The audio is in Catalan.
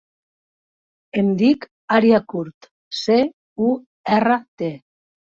Em dic Arya Curt: ce, u, erra, te.